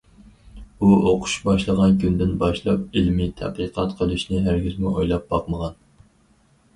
ئۇ ئوقۇش باشلىغان كۈندىن باشلاپ، ئىلمىي تەتقىقات قىلىشنى ھەرگىزمۇ ئويلاپ باقمىغان.